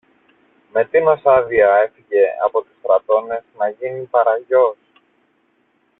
Με τίνος άδεια έφυγε από τους στρατώνες να γίνει παραγιός;